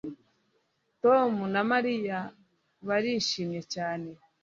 Tom na Mariya barishimye cyane